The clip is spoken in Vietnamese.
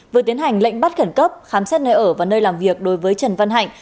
vừa tiến hành lệnh bắt khẩn cấp khám xét nơi ở và nơi làm việc đối với trần văn hạnh